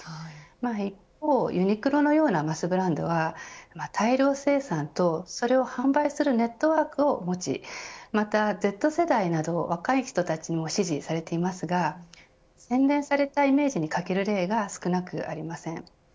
一方、ユニクロのようなマスブランドは大量生産とそれを販売するネットワークを持ちまたＺ世代など若い人たちにも支持されていますが洗練されたイメージに欠ける例が少なくありません。